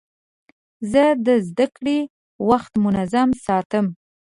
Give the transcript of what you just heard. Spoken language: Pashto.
زه د زدهکړې وخت منظم ساتم.